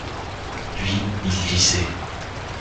Lui, il lisait.